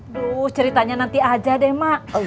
aduh ceritanya nanti aja deh maa